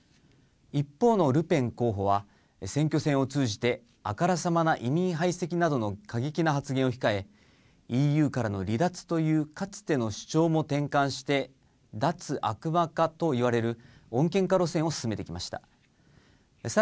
一方のルペン候補は、選挙戦を通じて、あからさまな移民排斥などの過激な発言を控え、ＥＵからの離脱というかつての主張も転換して、脱悪魔化といわれる穏健化路線を進めてきました。